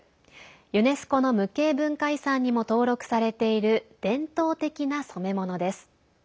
ユネスコの無形文化遺産にも登録されている伝統的な染め物です。